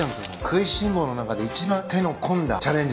『くいしん坊』の中で一番手の込んだチャレンジですね。